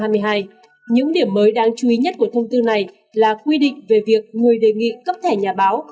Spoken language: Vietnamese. những điểm mới đáng chú ý nhất của thông tư này là quy định về việc người đề nghị cấp thẻ nhà báo